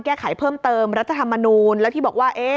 แก้ไขเพิ่มเติมรัฐธรรมนูลแล้วที่บอกว่า